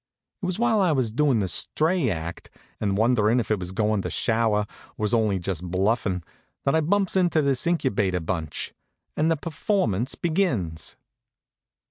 It was while I was doin' the stray act, and wonderin' if it was goin' to shower, or was only just bluffin', that I bumps into this Incubator bunch, and the performance begins.